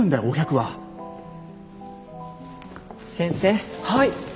はい。